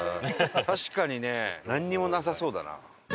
確かにねなんにもなさそうだな。